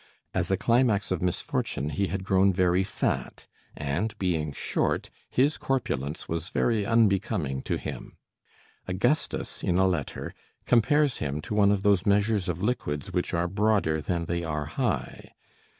As a climax of misfortune he had grown very fat, and being short, his corpulence was very unbecoming to him. Augustus, in a letter, compares him to one of those measures of liquids which are broader than they are high.